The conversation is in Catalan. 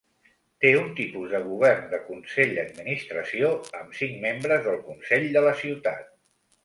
Té un tipus de govern de consell-administració amb cinc membres del consell de la ciutat.